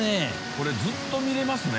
これずっと見れますね。